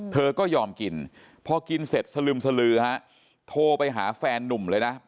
เธอก็ยอมกินพอกินเสร็จสลึมสลือฮะโทรไปหาแฟนนุ่มเลยนะ